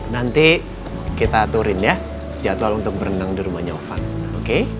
nanti kita aturin ya jadwal untuk berenang di rumahnya offan oke